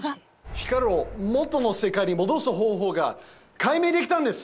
光を元の世界に戻す方法が解明できたんです！